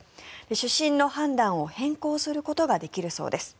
主審の判断を変更することができるそうです。